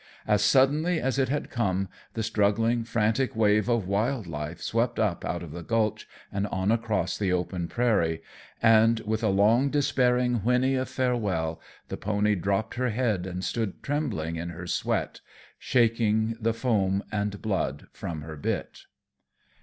As suddenly as it had come, the struggling, frantic wave of wild life swept up out of the gulch and on across the open prairie, and with a long despairing whinny of farewell the pony dropped her head and stood trembling in her sweat, shaking the foam and blood from her bit.